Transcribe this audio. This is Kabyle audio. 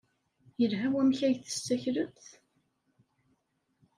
Yelha wamek ay tessaklemt?